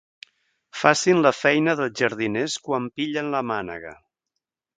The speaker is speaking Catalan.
Facin la feina dels jardiners quan pillen la mànega.